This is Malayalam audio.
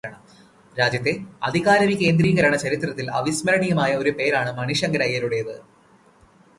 രാജ്യത്തെ അധികാരവികേന്ദ്രീകരണ ചരിത്രത്തിൽ അവിസ്മരണീയമായ ഒരു പേരാണ് മണിശങ്കർ അയ്യരുടേത്.